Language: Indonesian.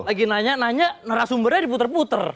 lagi nanya nanya narasumbernya diputer puter